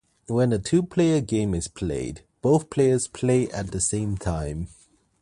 When a two-player game is played, both players play at the same time.